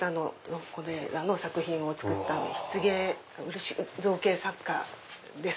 これらの作品を作った漆芸漆造形作家です。